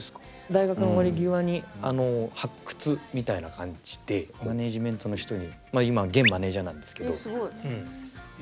大学の終わり際に発掘みたいな感じでマネージメントの人にまあ今現マネージャーなんですけど。